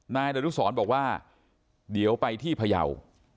นายดรุสรบอกว่าเดี๋ยวไปที่พยาว